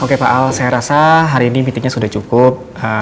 oke pak al saya rasa hari ini meetingnya sudah cukup